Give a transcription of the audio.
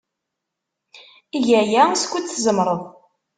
Eg aya skud tzemred.